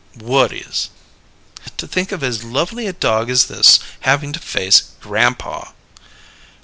"Whut is?" "To think of as lovely a dog as this having to face grandpa!"